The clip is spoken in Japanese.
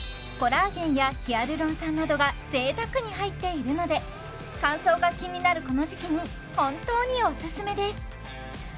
コラーゲンやヒアルロン酸などが贅沢に入っているので乾燥が気になるこの時期に本当におすすめです